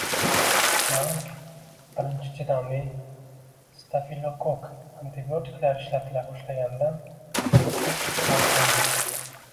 Ma’lumki, birinchi chidamli stafilokokk antibiotiklar ishlatila boshlashgandan uch yil o‘tib aniqlangan.